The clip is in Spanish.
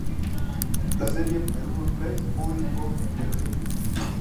La serie "Melrose Place" fue un spin-off de la serie.